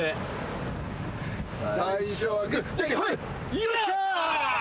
よっしゃ！